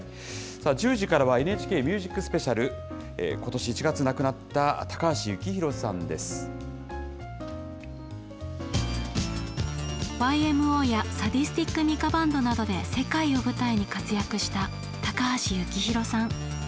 １０時からはＮＨＫＭＵＳＩＣＳＰＥＣＩＡＬ、ことし１月亡くＹＭＯやサディスティックミカバンドなどで、世界を舞台に活躍した高橋幸宏さん。